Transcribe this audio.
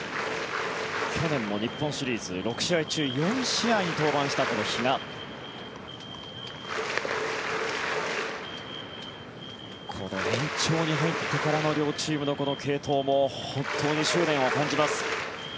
去年も日本シリーズ６試合中４試合に登板したこの比嘉、この延長に入ってからの両チームの継投も本当に執念を感じます。